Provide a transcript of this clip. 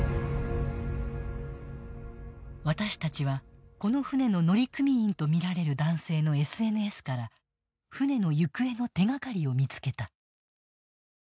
私たちはこの船の乗組員とみられる男性のＳＮＳから船の行方の手がかりを見つけた。